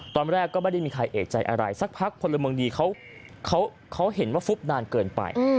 ตอนแรกก็ไม่ได้มีใครเอกใจอะไรสักพักพลเมืองดีเขาเห็นว่าฟุบนานเกินไป